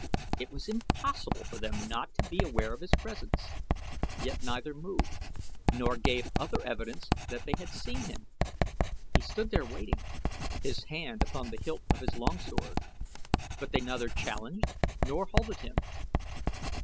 It was impossible for them not to be aware of his presence, yet neither moved, nor gave other evidence that they had seen him. He stood there waiting, his hand upon the hilt of his long sword, but they neither challenged nor halted him.